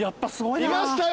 いましたよ